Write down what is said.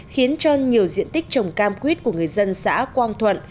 khiến cho nhiều diện tích trồng cam quýt của người dân xã quang thuận